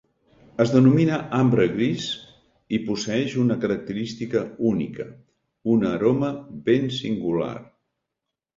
Es denomina ambre gris i posseeix una característica única: una aroma ben singular.